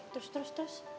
terus terus terus